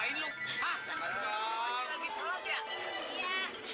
ibu kamu masih lah